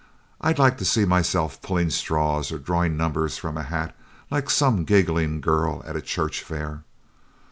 I'd like to see myself pulling straws or drawing numbers from a hat, like some giggling girl at a church fair.